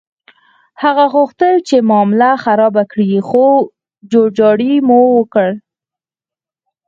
هغه غوښتل چې معامله خرابه کړي، خو جوړجاړی مو وکړ.